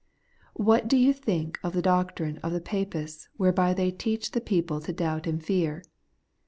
It What do you think of the doctrine of the Papists, whereby they teach the people to doubt and fear?